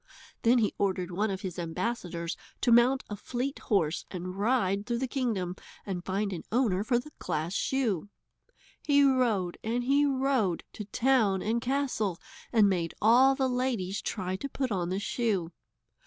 Then he ordered one of his ambassadors to mount a fleet horse and ride through the kingdom and find an owner for the glass shoe. He rode and he rode to town and castle, and made all the ladies try to put on the shoe.